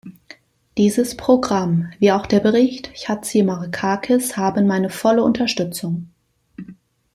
Dieses Programm wie auch der Bericht Chatzimarkakis haben meine volle Unterstützung.